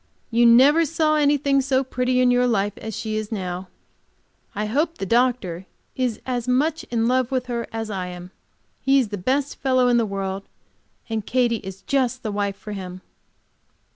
You never saw anything so pretty in your life, as she is now. I hope the doctor is as much in love with her as I am. He is the best fellow in the world, and Katy is just the wife for him.